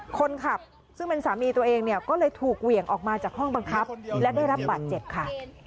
คนขับซึ่งเป็นสามีตัวเองเนี่ยก็เลยถูกเหวี่ยงออกมาจากห้องบังคับและได้รับบาดเจ็บค่ะ